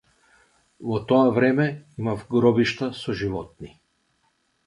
Во тоа време имав гробишта со животни.